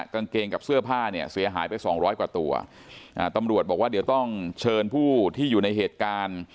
กางเกงกับเสื้อผ้าเนี่ยเสียหายไปสองร้อยกว่าตัวอ่าตำรวจบอกว่าเดี๋ยวต้องเชิญผู้ที่อยู่ในเหตุการณ์